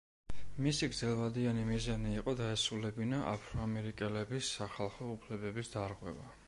მისი გრძელვადიანი მიზანი იყო დაესრულებინა აფრო-ამერიკელების სახალხო უფლებების დარღვევა.